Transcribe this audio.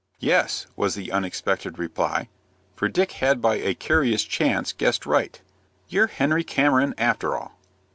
"Yes," was the unexpected reply, for Dick had by a curious chance guessed right. "You're Henry Cameron, after all."